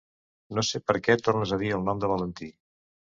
No sé per què tornes a dir el nom de Valentí.